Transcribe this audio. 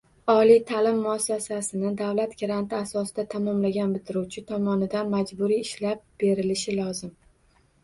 Oliy ta’lim muassassasini davlat granti asosida tamomlagan bitiruvchi tomonidan majburiy ishlab berilishi lozim